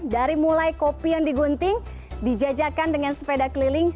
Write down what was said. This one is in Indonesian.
dari mulai kopi yang digunting dijajakan dengan sepeda keliling